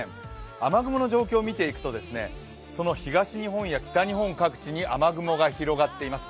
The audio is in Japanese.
雨雲の状況を見ていくと、その東日本や北日本各地に雨雲が広がっています。